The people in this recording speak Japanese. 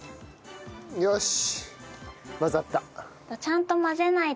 よし！